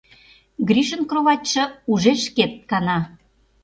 Гришын кроватьше уже шкет кана.